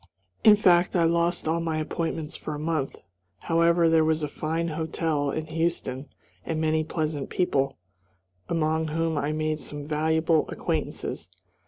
In fact I lost all my appointments for a month. However, there was a fine hotel in Houston and many pleasant people, among whom I made some valuable acquaintances.